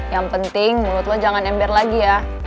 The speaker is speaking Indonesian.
yang penting mulut lo jangan ember lagi ya